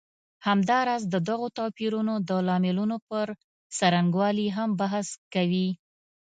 همداراز د دغو توپیرونو د لاملونو پر څرنګوالي هم بحث کوي.